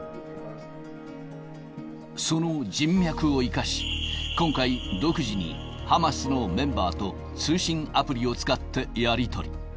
その人脈を生かし、今回、独自にハマスのメンバーと通信アプリを使ってやり取り。